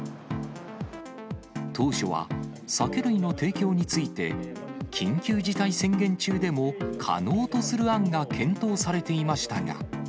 当初は酒類の提供について、緊急事態宣言中でも可能とする案が検討されていましたが。